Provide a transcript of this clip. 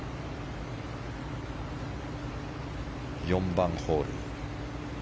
４番ホール。